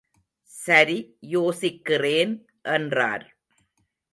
சரி யோசிக்கிறேன் என்றார்.